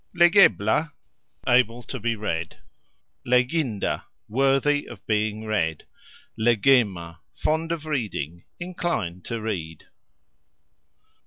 "Legebla", able to be read; "leginda", worthy of being read; "legema", fond of reading, inclined to read.